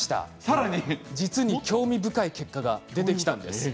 更に⁉実に興味深い結果が出てきたんです。